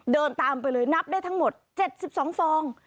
เดินตามไปเลยนับได้ทั้งหมด๗๒ฟอง